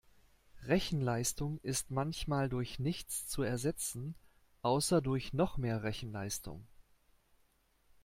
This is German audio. Rechenleistung ist manchmal durch nichts zu ersetzen, außer durch noch mehr Rechenleistung.